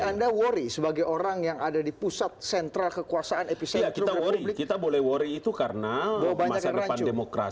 anda worry sebagai orang yang ada di pusat sentral kekuasaan efisien kita boleh wari itu karena banyak